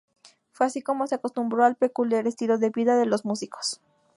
Fue así como se acostumbró al peculiar estilo de vida de los músicos.